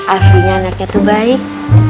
aslinya anaknya tuh baik